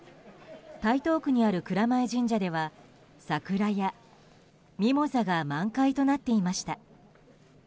台東区にある蔵前神社では桜やミモザが満開となっていました。